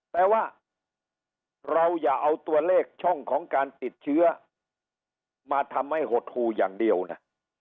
แต่ว่าเราอย่าเอาตัวเลขช่องของการติดเชื้อมาทำให้หดหูอย่างเดียวนะ